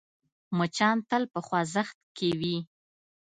مچان تل په خوځښت کې وي